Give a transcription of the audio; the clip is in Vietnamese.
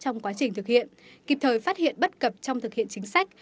trong quá trình thực hiện kịp thời phát hiện bất cập trong thực hiện chính sách